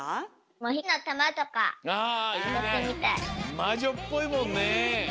まじょっぽいもんね。